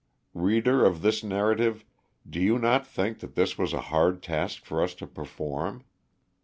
Reader of this narrative, do you not think that this was a hard task for us to perform?